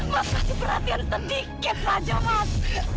mas kasih perhatian sedikit saja mas